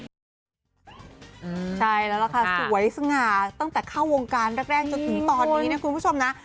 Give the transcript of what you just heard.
ใช่แล้วล่ะค่ะสวยสง่าตั้งแต่เข้าวงการแรกจนถึงตอนนี้นะคุณผู้ชมนะ